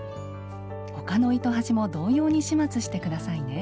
他の糸端も同様に始末してくださいね。